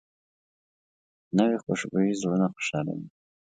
نوې خوشبويي زړونه خوشحالوي